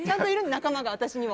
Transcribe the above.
仲間が私にも。